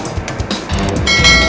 lo sudah bisa berhenti